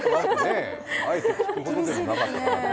あえて聞くことでもなかったなと。